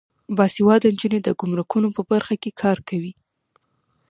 باسواده نجونې د ګمرکونو په برخه کې کار کوي.